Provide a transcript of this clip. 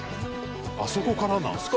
あそこからなんですか？